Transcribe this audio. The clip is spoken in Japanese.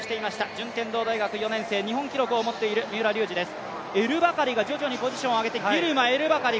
順天堂大学４年生、日本記録を持っている三浦龍司です。